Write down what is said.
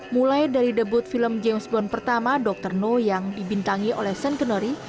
mulai dari debut film james bond pertama dr no yang dibintangi oleh sankenory